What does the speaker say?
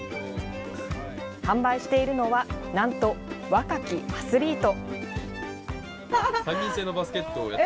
販売しているのはなんと若きアスリート。